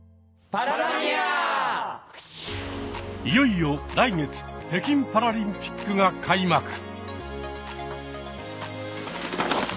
いよいよ来月北京パラリンピックが開幕。